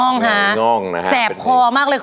ไงง่องฮะแสบคอมากเลย